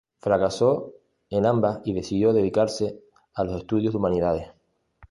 Fracasó en ambas y decidió dedicarse a los estudios de humanidades.